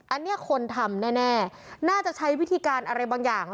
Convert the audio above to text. อันนี้คนทำแน่น่าจะใช้วิธีการอะไรบางอย่าง